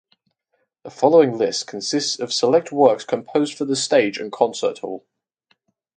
The following list consists of select works composed for the stage and concert hall.